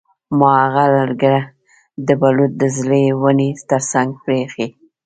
ما هغه لکړه د بلوط د زړې ونې ترڅنګ پریښې ده